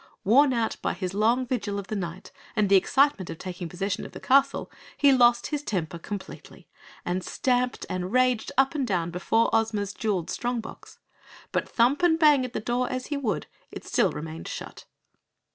Worn out by his long vigil of the night and the excitement of taking possession of the castle, he lost his temper completely, and stamped and raged up and down before Ozma's jewelled strong box. But thump and bang at the door as he would, it still remained shut.